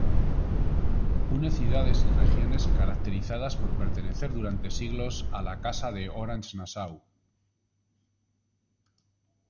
Une ciudades y regiones caracterizadas por pertenecer durante siglos a la Casa de Orange-Nassau.